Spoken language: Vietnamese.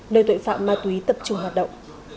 nơi tội phạm ma túy tập trung hoạt động